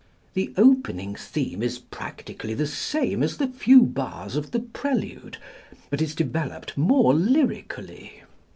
The opening theme is practically the same as the few bars of the prelude, but is developed more lyrically.